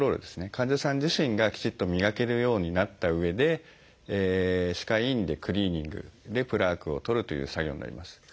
患者さん自身がきちっと磨けるようになったうえで歯科医院でクリーニングでプラークを取るという作業になります。